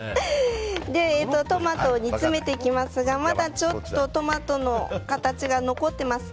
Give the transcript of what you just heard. トマトを煮詰めていきますがまだちょっとトマトの形が残っています。